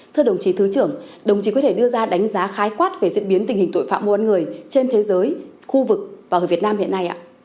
thưa đồng chí thứ trưởng đồng chí có thể đưa ra đánh giá khái quát về diễn biến tình hình tội phạm mua bán người trên thế giới khu vực và ở việt nam hiện nay ạ